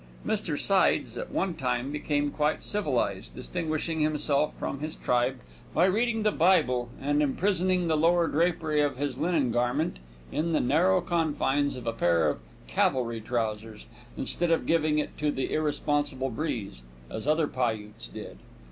Mr. Sides at one time became quite civilized, distinguishing himself from his tribe by reading the Bible and imprisoning the lower drapery of his linen garment in the narrow confines of a pair of cavalry trousers, instead of giving it to the irresponsible breeze, as other Piutes did.